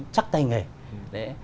chắc tay nghề